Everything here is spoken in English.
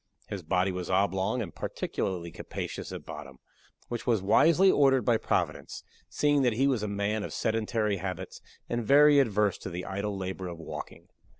His body was oblong, and particularly capacious at bottom; which was wisely ordered by Providence seeing that he was a man of sedentary habits, and very averse to the idle labor of walking.